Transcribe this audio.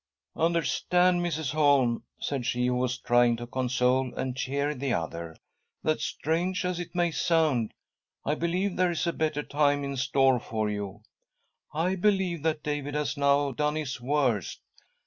" Understand, Mrs. Holm," said she who was trying to console and cheer the other, " that, strange as it may sound, I believe there is a better time in store for you. I believe that David has now done his worst.